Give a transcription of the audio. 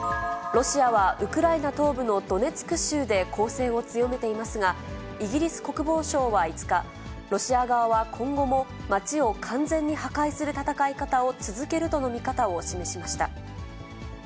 ロシアはウクライナ東部のドネツク州で攻勢を強めていますが、イギリス国防省は５日、ロシア側は今後も街を完全に破壊する戦い方を続けるとの見方を示しました。